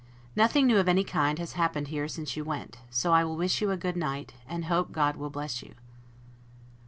Nothing new of any kind has happened here since you went; so I will wish you a good night, and hope God will bless you.